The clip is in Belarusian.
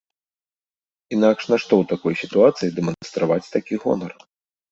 Інакш нашто ў такой сітуацыі дэманстраваць такі гонар?